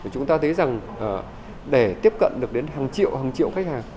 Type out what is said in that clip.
chúng ta thấy rằng để tiếp cận được đến hàng triệu hàng triệu khách hàng